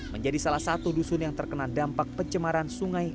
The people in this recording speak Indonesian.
menjadi salah satu dusun yang terkena dampak pencemaran sungai